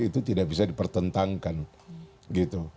itu tidak bisa dipertentangkan gitu